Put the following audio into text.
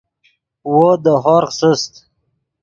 وو دے ہورغ سست